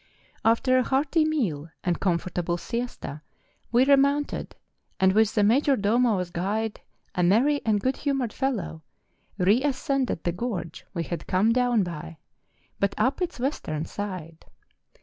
After a hearty meal and comfortable siesta we remounted, and with the major domo as guide, a merry and good humoured fellow, re ascended the gorge we had come down by, but up its western side.